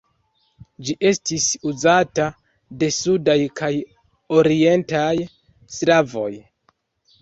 Ĝi estis uzata de sudaj kaj orientaj slavoj.